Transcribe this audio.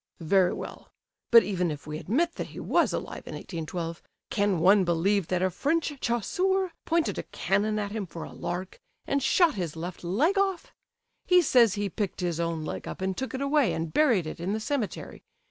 "Very well, but even if we admit that he was alive in 1812, can one believe that a French chasseur pointed a cannon at him for a lark, and shot his left leg off? He says he picked his own leg up and took it away and buried it in the cemetery.